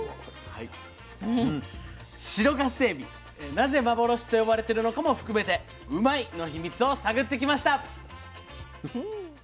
白ガスエビなぜ幻と呼ばれてるのかも含めてうまいッ！の秘密を探ってきました。